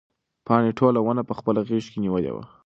پاڼې ټوله ونه په خپله غېږ کې نیولې وه.